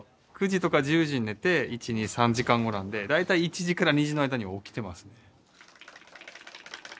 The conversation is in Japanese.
９時とか１０時に寝て１２３時間後なんで大体１時から２時の間に起きてますね。